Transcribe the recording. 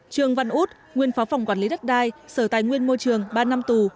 trường văn út nguyên phó phòng quản lý đất đai sở tài nguyên môi trường ba năm tù